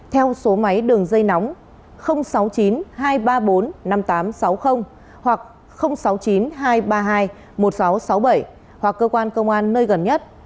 theo số máy đường dây nóng sáu mươi chín hai trăm ba mươi bốn năm nghìn tám trăm sáu mươi hoặc sáu mươi chín hai trăm ba mươi hai một nghìn sáu trăm sáu mươi bảy hoặc cơ quan công an nơi gần nhất